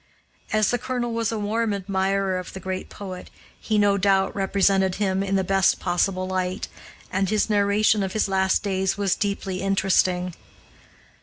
As the colonel was a warm admirer of the great poet, he no doubt represented him in the best possible light, and his narration of his last days was deeply interesting.